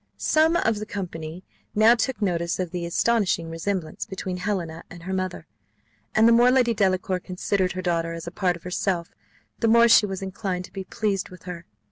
Some of the company now took notice of the astonishing resemblance between Helena and her mother; and the more Lady Delacour considered her daughter as a part of herself, the more she was inclined to be pleased with her.